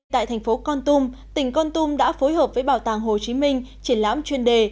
tại thành phố con tum tỉnh con tum đã phối hợp với bảo tàng hồ chí minh triển lãm chuyên đề